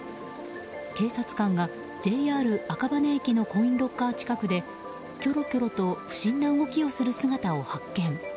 警察官がＪＲ赤羽駅のコインロッカー近くできょろきょろと不審な動きをする姿を発見。